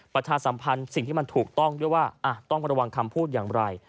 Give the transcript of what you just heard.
ประชาสัมพันธ์สิ่งที่มันถูกต้องด้วยว่าต้องระวังคำพูดอย่างไร